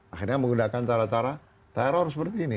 akhirnya menggunakan cara cara teror seperti ini